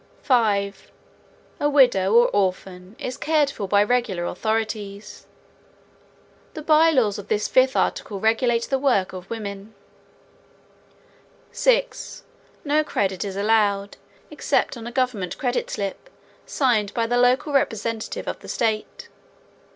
5. A widow or orphan is cared for by regular authorities. The by laws of this fifth article regulate the work of women. 6. No credit is allowed except on a government credit slip signed by the local representative of the state.